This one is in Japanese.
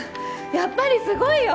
やっぱりすごいよ！